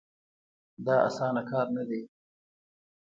دا اسانه کار نه دی.